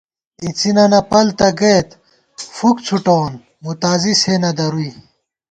اِڅِنَنَہ پَل تہ گَئیت، فُک څُھٹَوون مُتازِی سے نہ درُوئی